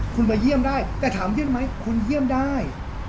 คุณมาเยี่ยมได้แต่ถามเยี่ยมไหมคุณเยี่ยมได้